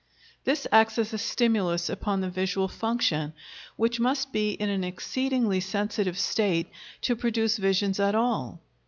This acts as a stimulus upon the visual function, which must be in an exceedingly sensitive state to produce visions at all.